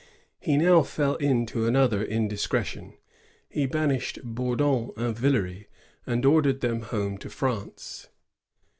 He now fell into another indiscretion. He banished Bourdon and Yilleray, and ordered them home to France.